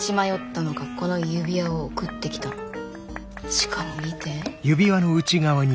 しかも見て。